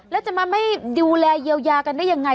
แล้วจะมาไม่ดูแลเยียวยากันได้ยังไง